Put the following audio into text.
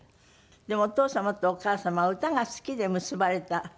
でもお父様とお母様は歌が好きで結ばれたそうですってね。